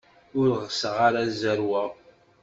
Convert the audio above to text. Ur ɣseɣ ara ad zerweɣ.